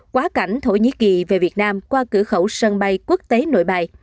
quá cảnh thổ nhĩ kỳ về việt nam qua cửa khẩu sân bay quốc tế nội bài